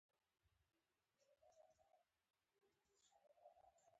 خور يې وويل: